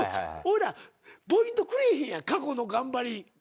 おいらポイントくれへんやん過去の頑張り。